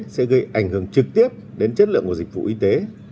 sẽ gây ảnh hưởng trực tiếp đến chất lượng của dịch vụ y tế